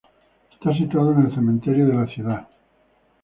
Está situado en el cementerio de la ciudad.